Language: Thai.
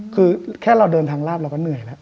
คือแค่เราเดินทางลาบเราก็เหนื่อยแล้ว